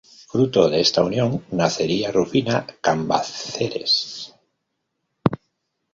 Fruto de esta unión nacería Rufina Cambaceres.